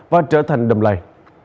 và trở thành đầm lầy